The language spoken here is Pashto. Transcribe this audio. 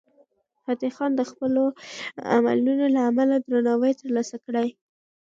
فتح خان د خپلو عملونو له امله درناوی ترلاسه کړ.